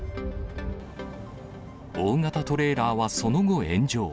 大型トレーラーはその後、炎上。